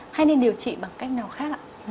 hay nên điều trị bằng cách nào khác ạ